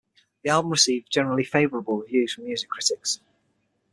The album received generally favorable reviews from music critics.